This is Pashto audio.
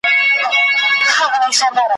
ډلي ډلي له هوا څخه راتللې ,